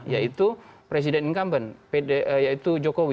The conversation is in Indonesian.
yaitu presiden incumbent yaitu jokowi